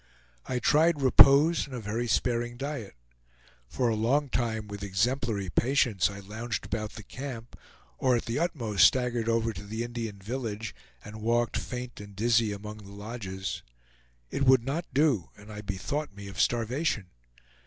I tried repose and a very sparing diet. For a long time, with exemplary patience, I lounged about the camp, or at the utmost staggered over to the Indian village, and walked faint and dizzy among the lodges. It would not do, and I bethought me of starvation.